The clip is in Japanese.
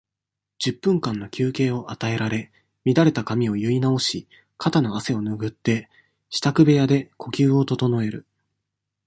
十分間の休憩を与えられ、乱れた髪を結い直し、肩の汗をぬぐって、支度部屋で呼吸を整える。